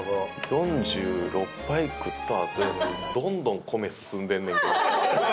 ４６杯食ったあとやのにどんどん米進んでんねんけど。